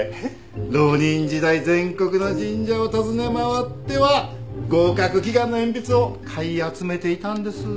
浪人時代全国の神社を訪ね回っては合格祈願の鉛筆を買い集めていたんです。